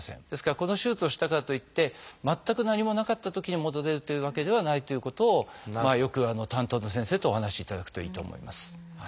ですからこの手術をしたからといって全く何もなかったときに戻れるというわけではないということをよく担当の先生とお話しいただくといいと思います。